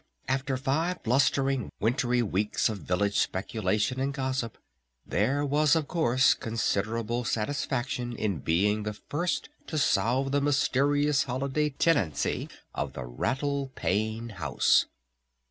After five blustering, wintry weeks of village speculation and gossip there was of course considerable satisfaction in being the first to solve the mysterious holiday tenancy of the Rattle Pane House.